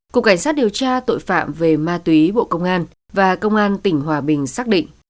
cục cảnh sát điều tra tội phạm về ma túy bộ công an và công an tỉnh hòa bình xác định